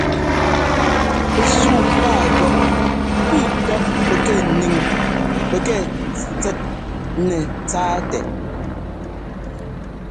Pɛsúu pá gɔ́ pʉ́ʉ tɔ́ pɛkɛ nʉŋ pɛkɛ tsɛt nɛtsáatɛ.